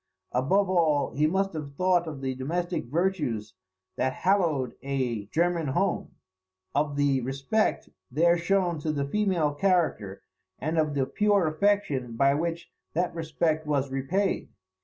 Above all, he must have thought of the domestic virtues that hallowed a German home; of the respect there shown to the female character, and of the pure affection by which that respect was repaid.